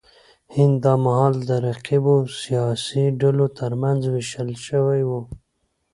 هند دا مهال د رقیبو سیاسي ډلو ترمنځ وېشل شوی و.